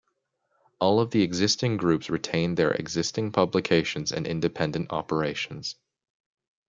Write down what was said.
All of the existing groups retain their existing publications and independent operations.